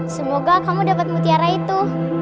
semoga kamu dapat mutiara itu